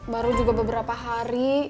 baru juga beberapa hari